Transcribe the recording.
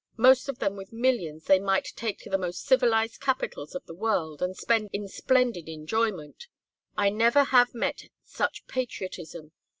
most of them with millions they might take to the most civilized capitals of the world and spend in splendid enjoyment I never have met such patriotism!